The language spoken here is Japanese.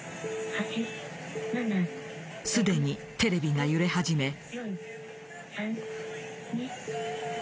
すでにテレビが揺れ始め。